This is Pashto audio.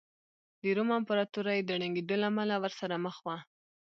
د روم امپراتورۍ د ړنګېدو له امله ورسره مخ وه